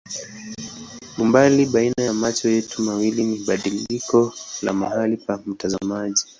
Umbali baina ya macho yetu mawili ni badiliko la mahali pa mtazamaji.